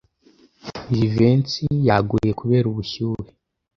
Jivency yaguye kubera ubushyuhe.